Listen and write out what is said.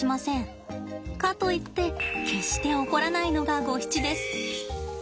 かといって決して怒らないのがゴヒチです。